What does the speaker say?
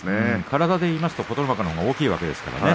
体でいいますと琴ノ若が大きいわけですからね。